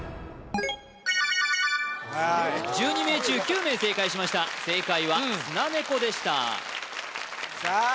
１２名中９名正解しました正解はスナネコでしたさあ